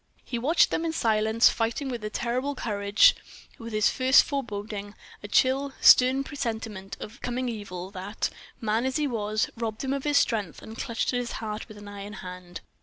He watched them in silence, fighting, with a terrible courage, with this first foreboding a chill, stern presentiment of coming evil that, man as he was, robbed him of his strength and clutched at his heart with an iron hand.